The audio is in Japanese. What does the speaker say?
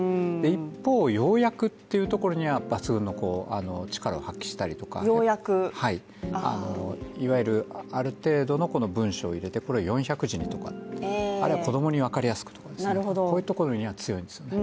一方、要約というところには抜群の力を発揮したりとか、いわゆる、ある程度の文章を入れてこれを４００字にとかあるいは子供に分かりやすくとか、こういうところには強いんですよね。